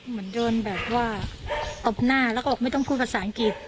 เหมือนเดินแบบว่าตบหน้าแล้วก็บอกไม่ต้องพูดภาษาอังกฤษ